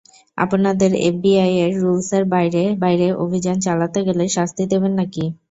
আপনাদের এফবিআই এর রুলসের বাইরে বাইরে অভিযান চালাতে গেলে শাস্তি দেবেন নাকি?